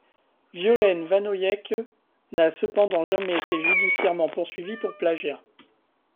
Violaine Vanoyeke n'a cependant jamais été judiciairement poursuivie pour plagiat.